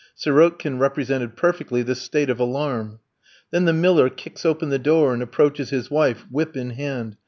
Sirotkin represented perfectly this state of alarm. Then the miller kicks open the door and approaches his wife, whip in hand.